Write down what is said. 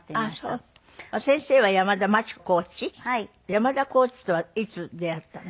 山田コーチとはいつ出会ったんですか？